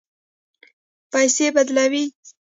پیسې بدلوئ؟